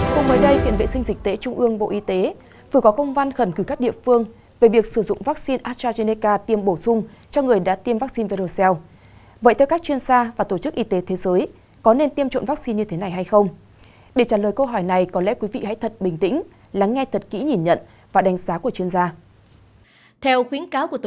các bạn hãy đăng ký kênh để ủng hộ kênh của chúng mình nhé